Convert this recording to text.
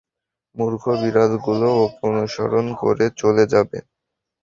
মূর্খ বিড়াল গুলো ওকে অনুসরণ করে চলে যাবে।